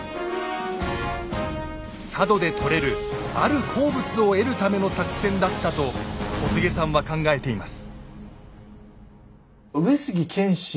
佐渡で採れるある鉱物を得るための作戦だったと小菅さんは考えています。